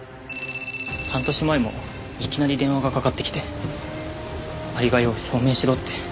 半年前もいきなり電話がかかってきてアリバイを証明しろって。